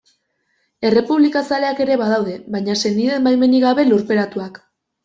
Errepublikazaleak ere badaude, baina senideen baimenik gabe lurperatuak.